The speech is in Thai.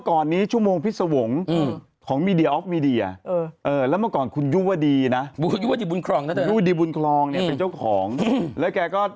คุณแม่ไปมาหลายหมอแล้ว